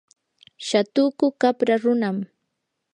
shatuku qapra runam.